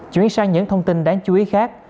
chuyến sang những thông tin đáng chú ý khác